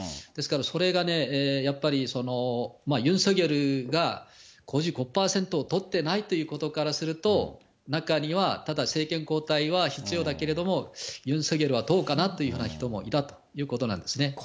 ですからそれが、やっぱりユン・ソギョルが５５％を取ってないということからすると、中にはただ政権交代は必要だけれども、ユン・ソギョルはどうかなという人もいたということなんですね。